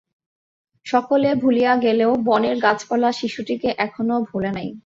সকলে ভুলিয়া গেলেও বনের গাছপালা শিশুটিকে এখনও ভোলে নাই।